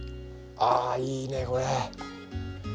ああいいねこれ。